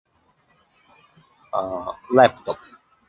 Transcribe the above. Uh, laptops.